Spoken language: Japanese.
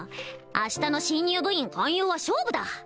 明日の新入部員勧誘は勝負だ！